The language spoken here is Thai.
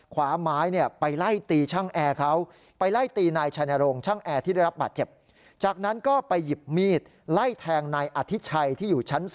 ขวาม้ายไปไล่ตีช่างแอร์เขา